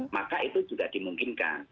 maka itu juga dimungkinkan